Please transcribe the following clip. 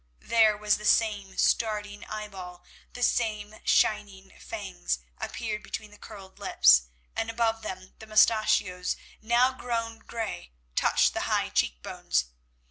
There was the same starting eyeball, the same shining fangs appeared between the curled lips, and above them the moustachios, now grown grey, touched the high cheekbones.